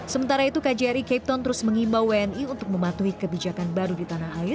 sementara itu kjri capton terus mengimbau wni untuk mematuhi kebijakan baru di tanah air